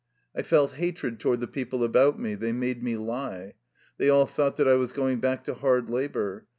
I felt hatred toward the people about me. They made me lie. They all thought that I was going back to hard labor.